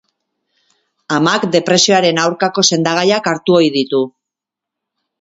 Amak depresioaren aurkako sendagaiak hartu ohi ditu.